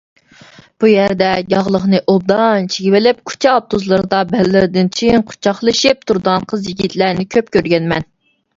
بۇ يەردە ياغلىقنى ئوبدان چىگىۋېلىپ، كۇچا ئاپتوبۇسلىرىدا بەللىرىدىن چىڭ قۇچاقلىشىپ تۇرىدىغان قىز-يىگىتلەرنى كۆپ كۆرگەنمەن.